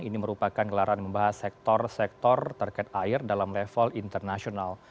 ini merupakan gelaran membahas sektor sektor terkait air dalam level internasional